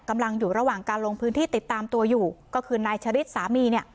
อยู่ระหว่างการลงพื้นที่ติดตามตัวอยู่ก็คือนายชะริดสามีเนี่ย